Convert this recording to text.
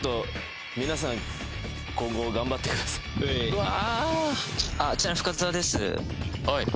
うわ